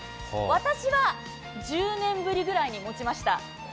私は１０年ぶりぐらいに持ちました。